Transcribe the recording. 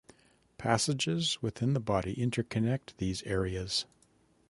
Passages within the body interconnect these areas.